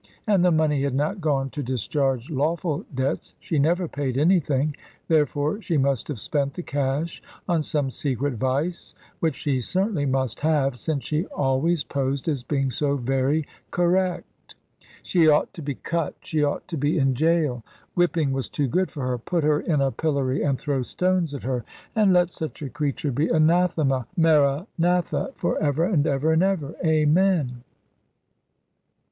And the money had not gone to discharge lawful debts; she never paid anything, therefore she must have spent the cash on some secret vice, which she certainly must have, since she always posed as being so very correct. She ought to be cut; she ought to be in gaol; whipping was too good for her; put her in a pillory and throw stones at her. And let such a creature be anathema maranatha for ever and ever and ever, Amen.